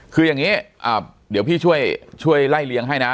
คืออย่างนี้เดี๋ยวพี่ช่วยไล่เลี้ยงให้นะ